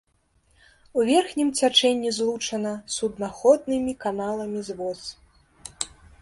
У верхнім цячэнні злучана суднаходнымі каналамі з воз.